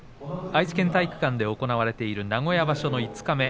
愛知県体育館で行われている名古屋場所の五日目。